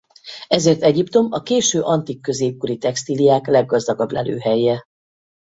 Ezért Egyiptom a késő antik-középkori textíliák leggazdagabb lelőhelye.